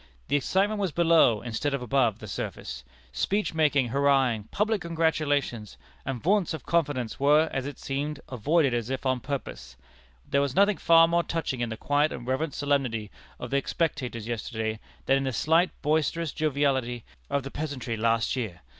The excitement was below, instead of above, the surface. Speech making, hurrahing, public congratulations, and vaunts of confidence were, as it seemed, avoided as if on purpose. There was something far more touching in the quiet and reverent solemnity of the spectators yesterday than in the slightly boisterous joviality of the peasantry last year.